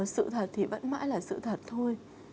sự thật thì vẫn mãi là sự thật thôi